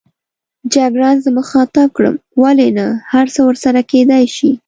جګړن زه مخاطب کړم: ولې نه، هرڅه ورسره کېدای شي.